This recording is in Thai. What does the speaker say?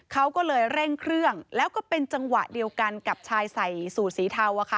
เขาก็เลยเร่งเครื่องแล้วก็เป็นจังหวะเดียวกันกับชายใส่สูตรสีเทา